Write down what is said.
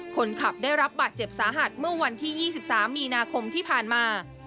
คนขับได้รับบาดเจ็บสาหัสเมื่อวันที่๒๓มีนาคมที่ผ่านมา